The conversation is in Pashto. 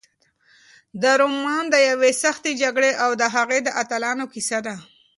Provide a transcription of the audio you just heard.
دا رومان د یوې سختې جګړې او د هغې د اتلانو کیسه ده.